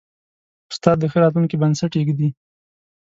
استاد د ښه راتلونکي بنسټ ایږدي.